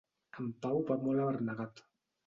En Pau va molt abarnegat.